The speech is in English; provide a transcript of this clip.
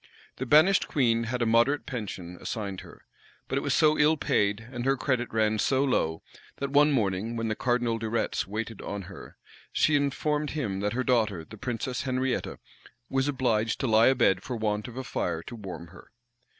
The banished queen had a moderate pension assigned her; but it was so ill paid, and her credit ran so low, that, one morning, when the cardinal De Retz waited on her, she informed him that her daughter, the princess Henrietta, was obliged to lie abed for want of a fire to warm her.